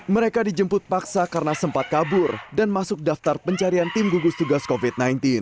mereka dijemput paksa karena sempat kabur dan masuk daftar pencarian tim gugus tugas covid sembilan belas